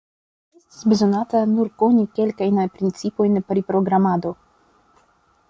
Estis bezonata nur koni kelkajn principojn pri programado.